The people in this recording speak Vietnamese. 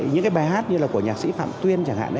những cái bài hát như là của nhạc sĩ phạm tuyên